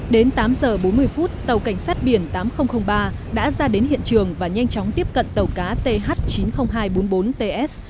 đến tám giờ bốn mươi phút tàu cảnh sát biển tám nghìn ba đã ra đến hiện trường và nhanh chóng tiếp cận tàu cá th chín mươi nghìn hai trăm bốn mươi bốn ts